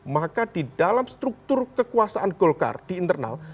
maka di dalam struktur kekuasaan golkar di internal